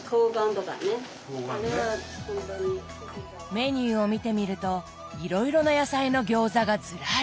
メニューを見てみるといろいろな野菜の餃子がズラリ！